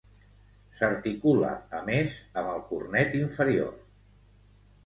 S'articula, a més, amb el cornet inferior.